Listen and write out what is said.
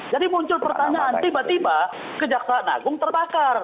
jadi muncul pertanyaan tiba tiba ke jaksa agung terbakar